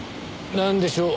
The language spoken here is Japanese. なんでしょう？